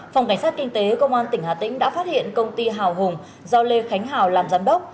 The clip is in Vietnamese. phòng cảnh sát kinh tế công an tỉnh hà tĩnh đã phát hiện công ty hào hùng do lê khánh hào làm giám đốc